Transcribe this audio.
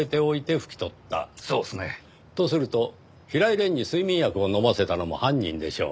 そうですね。とすると平井蓮に睡眠薬を飲ませたのも犯人でしょう。